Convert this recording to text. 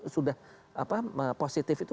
sudah positif itu